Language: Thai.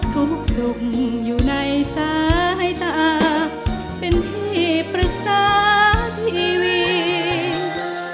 ทุกสุขอยู่ในสายตาเป็นที่ปรึกษาทีวี